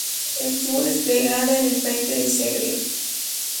Estuvo desplegada en el frente del Segre.